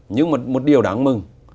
nhưng một điều đáng mừng